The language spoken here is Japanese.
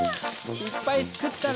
いっぱい作ったね！